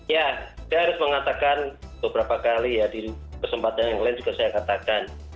ya saya harus mengatakan beberapa kali ya di kesempatan yang lain juga saya katakan